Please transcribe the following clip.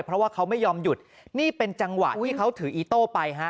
เพราะว่าเขาไม่ยอมหยุดนี่เป็นจังหวะที่เขาถืออีโต้ไปฮะ